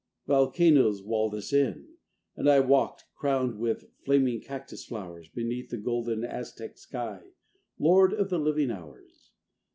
Volcanoes walled us in: and I Walked, crowned with flaming cactus flowers, Beneath the golden, Aztec sky, Lord of the living hours.